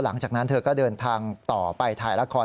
หลังจากนั้นเธอก็เดินทางต่อไปถ่ายละคร